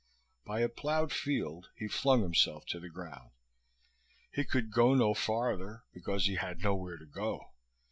By a plowed field he flung himself to the ground. He could go no farther because he had nowhere to go.